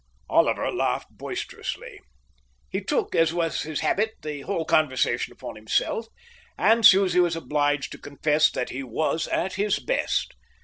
Oliver laughed boisterously. He took, as was his habit, the whole conversation upon himself, and Susie was obliged to confess that he was at his best.